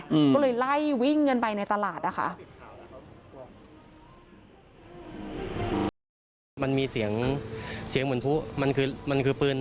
อืมก็เลยไล่วิ่งกันไปในตลาดนะคะ